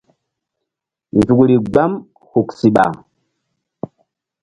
Nzukri gbam huk siɓa.